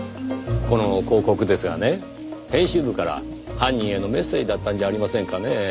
この広告ですがね編集部から犯人へのメッセージだったんじゃありませんかねぇ？